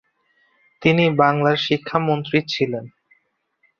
তিনি বাংলার শিক্ষা মন্ত্রী ছিলেন।